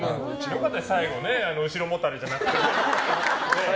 良かったですね、最後後ろもたれじゃなくて。